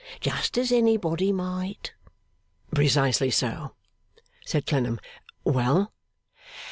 Just as anybody might.' 'Precisely so,' said Clennam. 'Well?